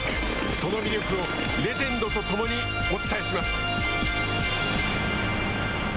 その魅力をレジェンドとともにお伝えします。